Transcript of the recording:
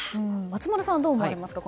松丸さんは、どう思われますか。